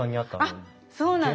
あっそうなんです。